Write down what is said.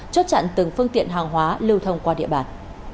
chốt chặn từng phương tiện hàng hóa lưu thông qua địa bàn